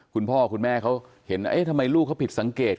คุณพ่อคุณแม่เขาเห็นเอ๊ะทำไมลูกเขาผิดสังเกต